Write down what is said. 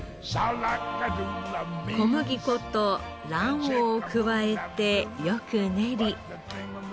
小麦粉と卵黄を加えてよく練り。